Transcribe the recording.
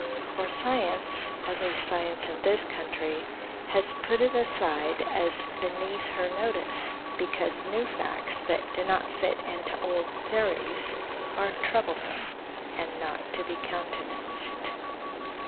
For science, at least science in this country, has put it aside as beneath her notice, because new facts that do not fit into old theories are troublesome, and not to be countenanced.